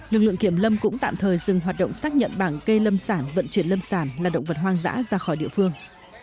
lực lượng kiểm lâm cũng tạm thời dừng hoạt động xác nhận bảng cây lâm sản vận chuyển lâm sản là động vật hoang dã ra khỏi địa phương